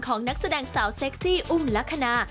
นักแสดงสาวเซ็กซี่อุ้มลักษณะ